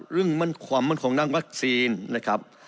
เรื่องความมั่นคงด้านวัคซีนนะครับ